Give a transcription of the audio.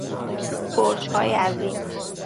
برجهای عظیم